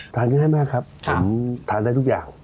ง่ายมากครับผมทานได้ทุกอย่าง